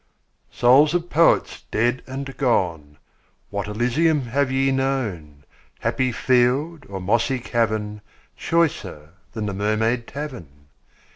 Souls of Poets dead and gone, What Elysium have ye known, Happy field or mossy cavern, Choicer than the Mermaid Tavern?